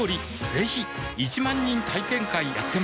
ぜひ１万人体験会やってますはぁ。